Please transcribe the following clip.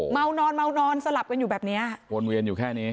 เมานอนเมานอนสลับกันอยู่แบบเนี้ยวนเวียนอยู่แค่นี้